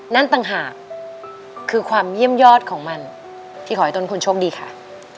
ต่างหากคือความเยี่ยมยอดของมันที่ขอให้ต้นคุณโชคดีค่ะ